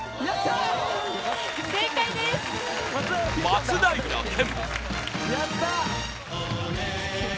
松平健！